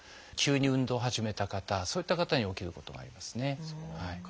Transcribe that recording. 急に運動を始めた方そういった方に起きることがありますね。